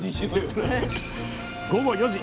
午後４時。